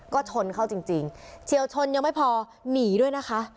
ก็ชนเขาจริงเฉียวชนยังไม่พอหนีด้วยนะคะ